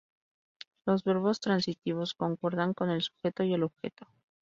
Los verbos transitivos concuerdan con el sujeto y el objeto.